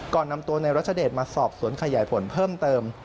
ก่อนนำตัวในรัชเดชมาสอบสวนขยายผลเพิ่มเติม